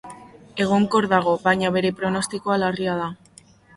Egonkor dago, baina bere pronostikoa larria da.